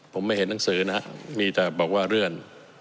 ผมไม่เห็นหนังสือนะครับมีแต่บอกว่าเลื่อน